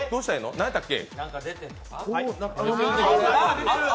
何やったっけ？